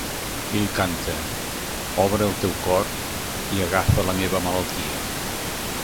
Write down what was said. Ell canta, "Obre el teu cor, i agafa la meva malaltia".